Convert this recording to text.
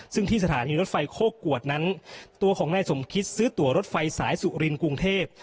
ซึ่งที่สถานีรถไฟโคกวดนั้นตัวของนายสมคิดซื้อตัวรถไฟสายสุรินกรุงเทพ